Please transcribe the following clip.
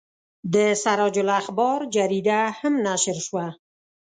د سراج الاخبار جریده هم نشر شوه.